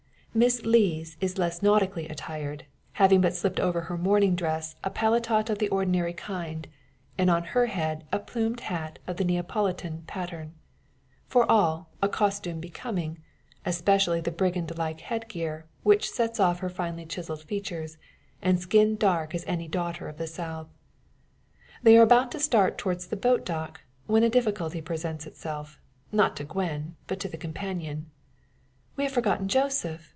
Miss Lees is less nautically attired; having but slipped over her morning dress a paletot of the ordinary kind, and on her head a plumed hat of the Neapolitan pattern. For all, a costume becoming; especially the brigand like head gear which sets off her finely chiselled features, and skin dark as any daughter of the South. They are about starting towards the boat dock, when a difficulty presents itself not to Gwen, but the companion. "We have forgotten Joseph!"